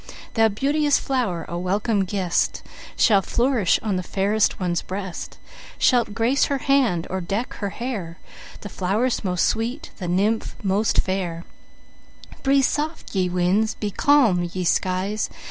Thou, beauteous Flow'r, a welcome Guest, Shalt flourish on the Fair One's Breast, Shalt grace her Hand, or deck her Hair, The Flow'r most sweet, the Nymph most fair; Breathe soft, ye Winds! be calm, ye Skies!